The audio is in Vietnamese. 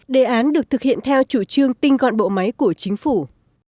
đề án được thực hiện theo chủ trương tinh gọn bộ máy của chính phủ